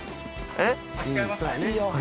えっ？